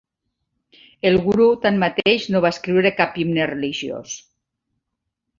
El Guru tanmateix, no va escriure cap himne religiós.